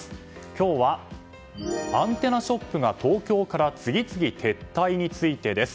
今日は、アンテナショップが東京から次々撤退についてです。